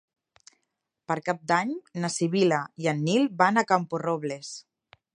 Per Cap d'Any na Sibil·la i en Nil van a Camporrobles.